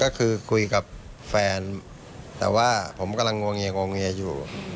ก็คือคุยกับแฟนแต่ว่าผมกำลังงวงเงียงวงเงียอยู่